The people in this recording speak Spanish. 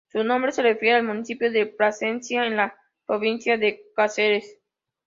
Su nombre se refiere al municipio de Plasencia, en la provincia de Cáceres.